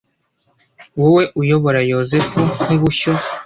wowe uyobora Yozefu nk’ubushyo